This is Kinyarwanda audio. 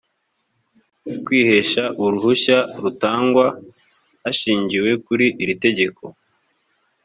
kwihesha uruhushya rutangwa hashingiwe kuri iri tegeko